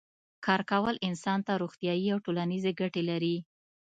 کار کول انسان ته روغتیایی او ټولنیزې ګټې لري